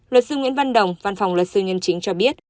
luật sư nguyễn văn đồng văn phòng luật sư nhân chính cho biết